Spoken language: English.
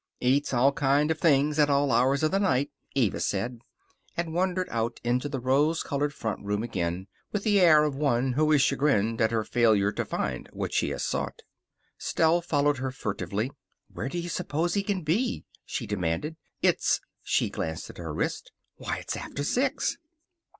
"Eats all kinds of things at all hours of the night," Eva said, and wandered out into the rose colored front room again with the air of one who is chagrined at her failure to find what she has sought. Stell followed her furtively. "Where do you suppose he can be?" she demanded. "It's" she glanced at her wrist "why, it's after six!"